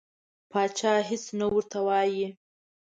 پاچا هیڅ نه ورته وایي.